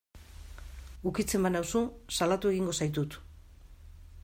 Ukitzen banauzu salatu egingo zaitut.